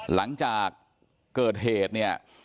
หลังจากเกิดเหตุเนี่ย